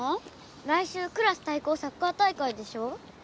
来週クラスたいこうサッカー大会でしょ。